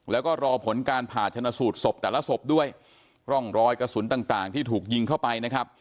แล้วก็รอผลการผ่าชนะสูตรศพแต่ละศพด้วยร่องรอยกระสุนต่างต่างที่ถูกยิงเข้าไปนะครับ